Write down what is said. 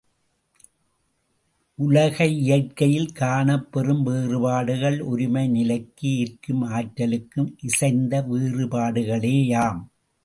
உலகியற்கையில் காணப் பெறும் வேறுபாடுகள் ஒருமை நிலைக்கு ஈர்க்கும் ஆற்றலுக்கு இசைந்த வேறுபாடுகளேயாம்.